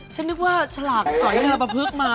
ฉันนึกว่าฉลากสอยมันละปะพึกมา